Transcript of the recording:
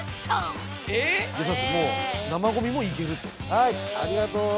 はいありがとう。